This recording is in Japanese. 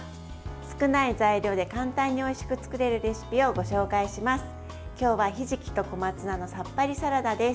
少ない材料で簡単においしく作れるレシピをご紹介します。